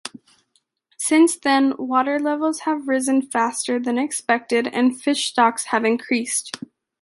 Since then, water levels have risen faster than expected and fish stocks have increased.